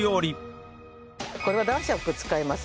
これは男爵を使います。